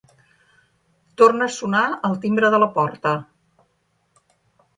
Torna a sonar el timbre de la porta.